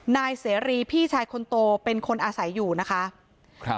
นายเสรีพี่ชายคนโตเป็นคนอาศัยอยู่นะคะครับ